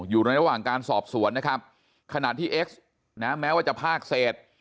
อยู่ในระหว่างการสอบสวนนะครับขณะที่เอ็กซ์นะแม้ว่าจะภาคเศษ